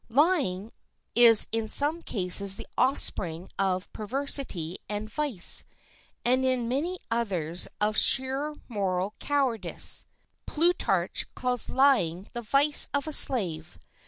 Lying is in some cases the offspring of perversity and vice, and in many others of sheer moral cowardice. Plutarch calls lying the vice of a slave.